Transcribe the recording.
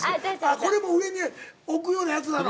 これも上に置くようなやつなの？